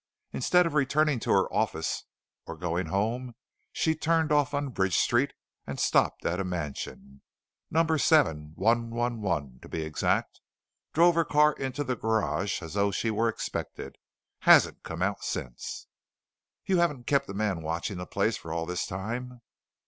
Instead of returning to her office or going home, she turned off on Bridge Street and stopped at a mansion, Number 7111, to be exact. Drove her car into the garage as though she were expected. Hasn't come out since." "You haven't kept a man watching the place for all this time?"